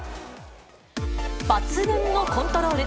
抜群のコントロール。